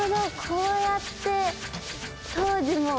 こうやって当時も。